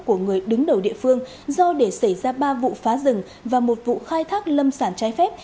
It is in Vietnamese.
của người đứng đầu địa phương do để xảy ra ba vụ phá rừng và một vụ khai thác lâm sản trái phép